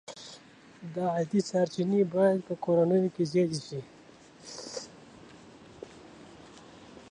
د عاید سرچینې باید په کورنیو کې زیاتې شي.